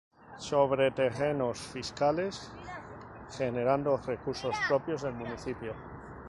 Sobre terrenos fiscales, generando recursos propios del municipio.